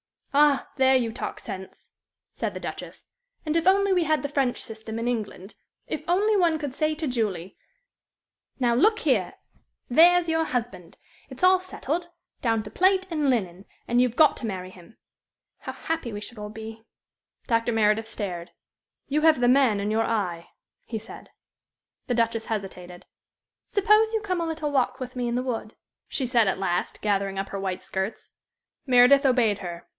"Ah, there you talk sense," said the Duchess. "And if only we had the French system in England! If only one could say to Julie: 'Now look here, there's your husband! It's all settled down to plate and linen and you've got to marry him!' how happy we should all be." Dr. Meredith stared. "You have the man in your eye," he said. The Duchess hesitated. "Suppose you come a little walk with me in the wood," she said, at last, gathering up her white skirts. Meredith obeyed her.